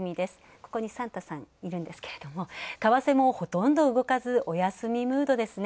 ここにサンタさんいるんですけれども為替もほとんど動かずお休みムードですね。